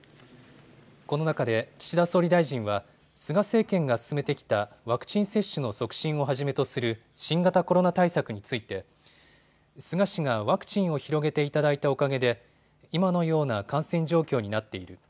この中で岸田総理大臣は菅政権が進めてきたワクチン接種の促進をはじめとする新型コロナ対策について菅氏がワクチンを広げていただいたおかげで今のような感染状況になっている。